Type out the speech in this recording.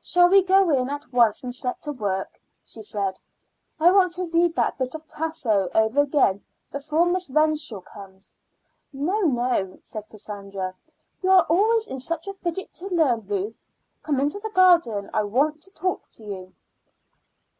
"Shall we go in at once and set to work?" she said. "I want to read that bit of Tasso over again before Miss Renshaw comes." "No, no," said Cassandra. "You are always in such a fidget to learn, Ruth. Come into the garden; I want to talk to you."